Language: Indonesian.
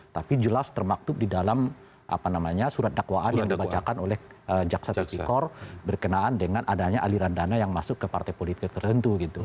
tapi jelas termaktub di dalam surat dakwaan yang dibacakan oleh jaksa tipikor berkenaan dengan adanya aliran dana yang masuk ke partai politik tertentu gitu